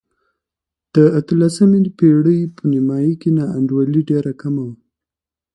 د اتلسمې پېړۍ په نیمايي کې نا انډولي ډېره کمه وه.